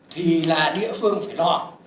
thì là địa phương phải lo